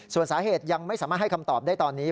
ส่วนสาเหตุยังไม่สามารถให้คำตอบได้ตอนนี้